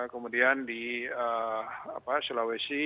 kemudian di sulawesi periode peralihan musim